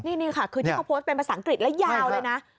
นี่ค่ะคือที่เขาโพสต์เป็นภาษาอังกฤษและยาวเลยนะ